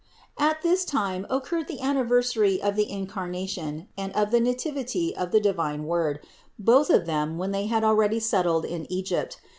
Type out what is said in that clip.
687. At this time occurred the anniversary of the In carnation and of the Nativity of the divine Word, both of them when they had already settled in Egypt.